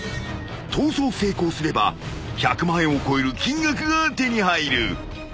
［逃走成功すれば１００万円を超える金額が手に入る］